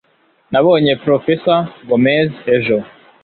nabonye professor gómez ejo